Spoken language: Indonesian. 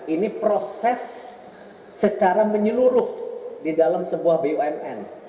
ini proses secara menyeluruh di dalam sebuah bumn